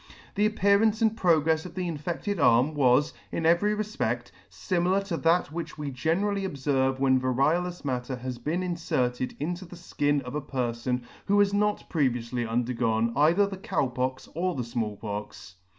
The appearance and progrefs of the infeffced arm was, in every refpedt, fimilar to that which we generally obferve when variolous matter has been inferted into the fkin of a perfon who has not previoufly undergone either the Cow Pox or the Small Pox.